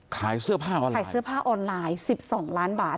ขายเสื้อผ้าออนไลน์๑๒ล้านบาท